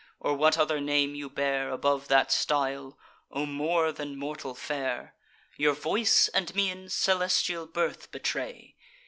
or what other name you bear Above that style; O more than mortal fair! Your voice and mien celestial birth betray!